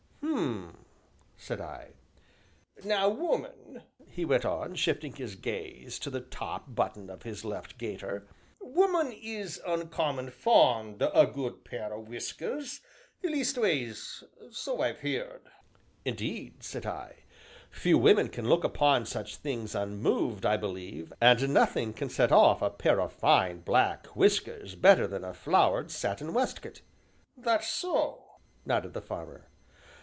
"Hum!" said I. "Now, woman," he went on, shifting his gaze to the top button of his left gaiter, "woman is uncommon fond o' a good pair o' whiskers leastways, so I've heerd." "Indeed," said I, "few women can look upon such things unmoved, I believe, and nothing can set off a pair of fine, black whiskers better than a flowered satin waistcoat." "That's so!" nodded the farmer.